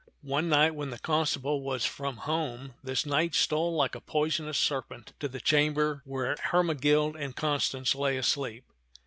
One night when the constable was from home, this knight stole like a poisonous serpent to the chamber 64 t^t (^<xn of ;Eai»'0 tak where Hermegild and Constance lay asleep.